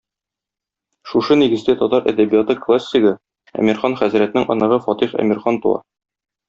Шушы нигездә татар әдәбияты классигы, Әмирхан хәзрәтнең оныгы Фатих Әмирхан туа.